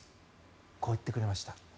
こう言っていました。